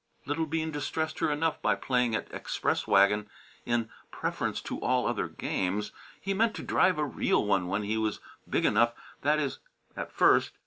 Little Bean distressed her enough by playing at express wagon in preference to all other games. He meant to drive a real one when he was big enough that is, at first.